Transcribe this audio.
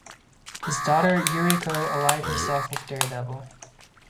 His daughter Yuriko allied herself with Daredevil.